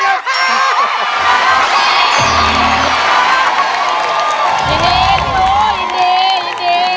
ยินดียินดียินดี